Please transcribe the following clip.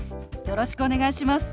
よろしくお願いします。